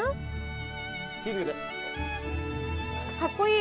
かっこいい！